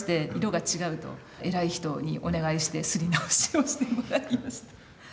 偉い人にお願いして刷り直しをしてもらいました。